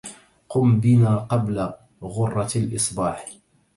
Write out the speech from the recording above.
قم بنا قبل غرة الإصباح